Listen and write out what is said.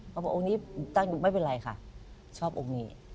บอกองค์นี้ตั้งดูไม่เป็นไรค่ะชอบองค์นี้